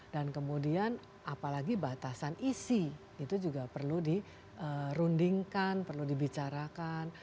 dan kemudian apalagi batasan isi itu juga perlu dirundingkan perlu dibicarakan